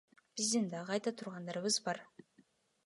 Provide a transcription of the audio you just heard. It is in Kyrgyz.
Биздин дагы айта тургандарыбыз бар.